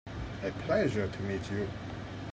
A pleasure to meet you.